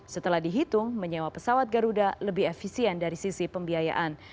setelah dihitung menyewa pesawat garuda lebih efisien dari sisi pembiayaan